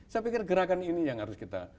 saya pikir gerakan ini yang harus kita